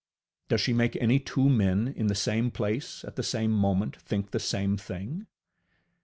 Does she make any two men in the same place at the same moment think the same thing?